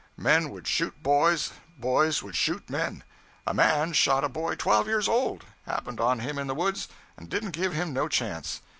Men would shoot boys, boys would shoot men. A man shot a boy twelve years old happened on him in the woods, and didn't give him no chance.